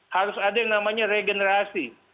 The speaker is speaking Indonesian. harus ada yang namanya regenerasi